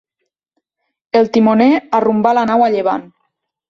El timoner arrumbà la nau a llevant.